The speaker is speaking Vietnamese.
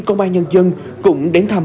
công an nhân dân cũng đến thăm